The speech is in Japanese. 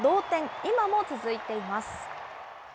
今も続いています。